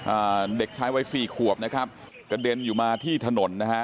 อ่าเด็กชายวัยสี่ขวบนะครับกระเด็นอยู่มาที่ถนนนะฮะ